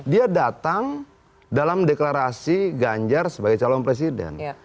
dia datang dalam deklarasi ganjar sebagai calon presiden